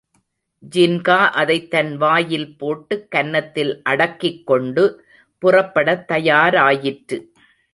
ஜின்கா அதைத் தன் வாயில் போட்டு, கன்னத்தில் அடக்கிக் கொண்டு புறப்படத் தயாராயிற்று.